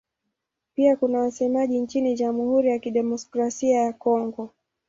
Pia kuna wasemaji nchini Jamhuri ya Kidemokrasia ya Kongo.